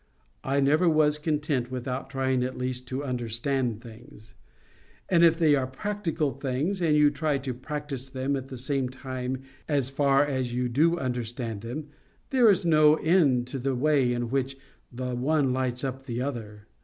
I never was content without trying at least to understand things; and if they are practical things, and you try to practise them at the same time as far as you do understand them, there is no end to the way in which the one lights up the other.